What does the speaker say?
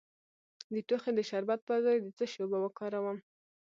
د ټوخي د شربت پر ځای د څه شي اوبه وکاروم؟